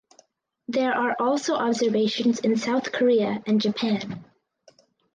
There are also observations in South Korea and Japan.